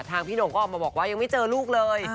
พี่หน่งก็ออกมาบอกว่ายังไม่เจอลูกเลย